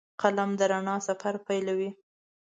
قلم د رڼا سفر پیلوي